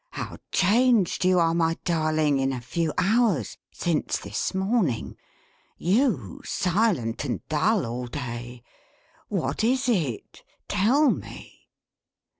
How changed you are, my Darling, in a few hours since this morning. You silent and dull all day! What is it? Tell me!